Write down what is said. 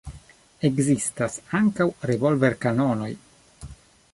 Ekzistas ankaŭ revolverkanonoj.